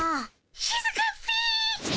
しずかっピィ。